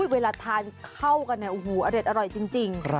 เวลาทานเข้ากันน่ะอร่อยจริง